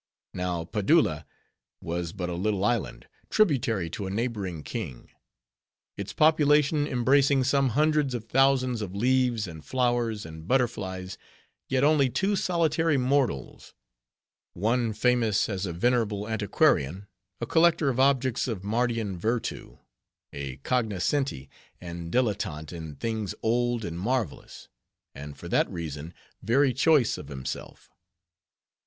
Now Padulla, was but a little island, tributary to a neighboring king; its population embracing some hundreds of thousands of leaves, and flowers, and butterflies, yet only two solitary mortals; one, famous as a venerable antiquarian: a collector of objects of Mardian vertu; a cognoscenti, and dilettante in things old and marvelous; and for that reason, very choice of himself.